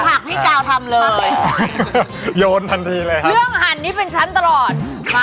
ผักผักผ้ากล้ามเลยโยนทันทีเลยค่ะเรื่องหั่นนี่เป็นฉันตลอด